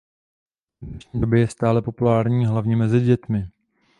V dnešní době je stále populární hlavně mezi dětmi.